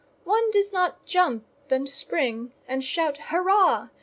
One does not jump, and spring, and shout hurrah!